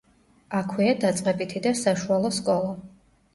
აქვეა დაწყებითი და საშუალო სკოლა.